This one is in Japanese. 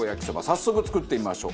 早速作ってみましょう。